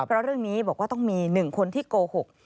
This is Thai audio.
เพราะเรื่องนี้บอกว่าต้องมี๑คนที่โกหก